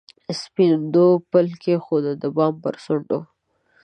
سپېدو پل کښېښود، د بام پر څنډو